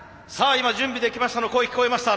今「準備できました」の声聞こえました。